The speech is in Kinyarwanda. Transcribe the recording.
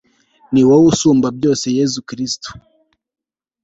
ni wow'usumba byose yezu kristu